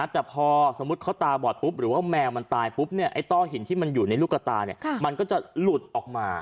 แต่พอสมมุติเขาตาบอดปุ๊บหรือว่าแมวมันตายปุ๊บไอ้ต้อหินที่มันอยู่ในลูกกระตามันก็จะหลุดออกมา